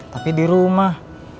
tapi di rumah